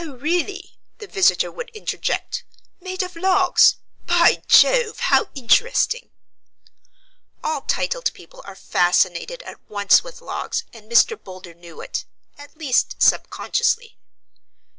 "Oh, really," the visitor would interject, "made of logs. By Jove, how interesting!" All titled people are fascinated at once with logs, and Mr. Boulder knew it at least subconsciously.